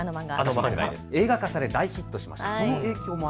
映画化され大ヒットしました。